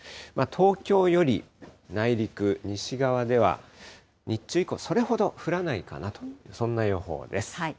東京より内陸、西側では日中以降、それほど降らないかなと、そんな予報です。